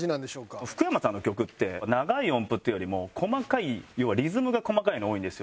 福山さんの曲って長い音符っていうよりも細かい要はリズムが細かいの多いんですよ。